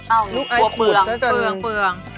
อ้าวลูกไอ้เปลืองอ๋อถูกจัดหนึ่ง